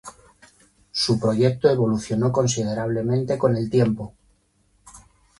Su proyecto evolucionó considerablemente con el tiempo.